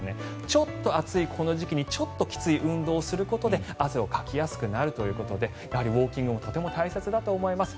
ちょっと暑いこの時期にちょっときついこの運動をすることで汗をかきやすくなるということでやはりウォーキングもとても大切だと思います。